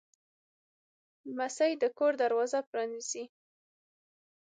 لمسی د کور دروازه پرانیزي.